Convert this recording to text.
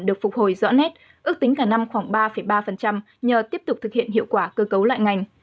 được phục hồi rõ nét ước tính cả năm khoảng ba ba nhờ tiếp tục thực hiện hiệu quả cơ cấu lại ngành